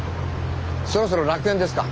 そろそろ楽園ですか。